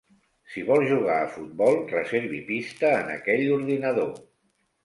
Si vol jugar a futbol, reservi pista en aquell ordinador.